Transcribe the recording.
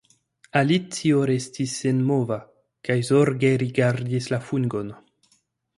Alicio restis senmova kaj zorge rigardis la fungon.